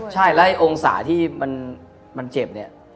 ใช่แล้วไอ้องศาที่มันเจ็บเนี่ย